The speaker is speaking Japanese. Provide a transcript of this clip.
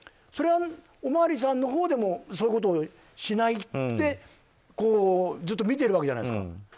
それはお巡りさんのほうでもそういうことをしないでずっと見ているわけじゃないですか。